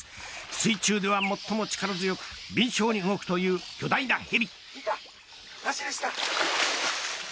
水中では最も力強く敏しょうに動くという巨大な蛇。